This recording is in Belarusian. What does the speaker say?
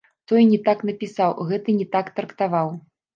Той не так напісаў, гэты не так трактаваў.